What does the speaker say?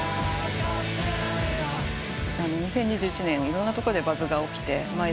２０２１年いろんなとこでバズが起きて。